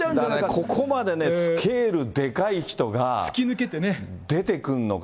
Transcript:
ここまでね、スケールでかい人が。出てくんのか。